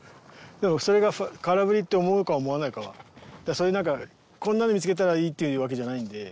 そういう何かこんなの見つけたらいいっていうわけじゃないんで。